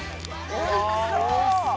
うわおいしそう。